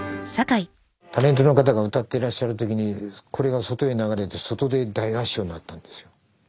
タレントの方が歌ってらっしゃる時にこれが外へ流れて外で大合唱になったんですよ。